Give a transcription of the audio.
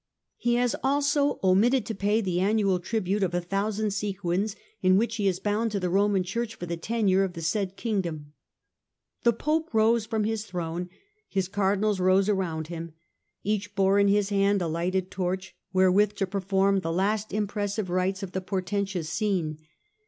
He has also omitted to pay the annual tribute of a thousand sequins, in which he is bound to the Roman Church for the tenure of the said Kingdom." The Pope rose from his throne ; his Cardinals rose around him. Each bore in his hand a lighted torch wherewith to perform the last impressive rites of the portentous scene.